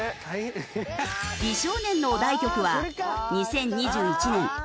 美少年のお題曲は２０２１年ＴｉｋＴｏｋ